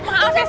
eh lepasin gak